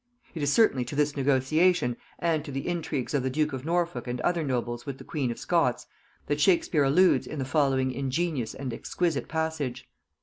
It is certainly to this negotiation, and to the intrigues of the duke of Norfolk and other nobles with the queen of Scots, that Shakespear alludes in the following ingenious and exquisite passage.